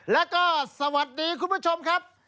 แล้วก็สวัสดีคุณผู้ชมครับ